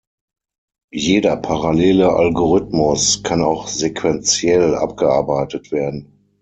Jeder parallele Algorithmus kann auch sequentiell abgearbeitet werden.